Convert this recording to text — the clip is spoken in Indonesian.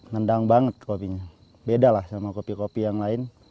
nendang banget kopinya beda lah sama kopi kopi yang lain